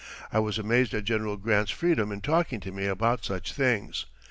I was amazed at General Grant's freedom in talking to me about such things.